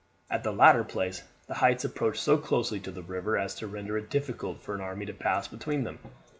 At the latter place the heights approached so closely to the river as to render it difficult for an army to pass between them.